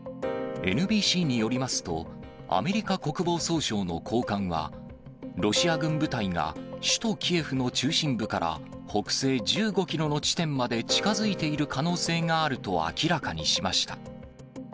ＮＢＣによりますと、アメリカ国防総省の高官は、ロシア軍部隊が首都キエフの中心部から北西１５キロの地点まで近づいている可能性があると明らかにしました。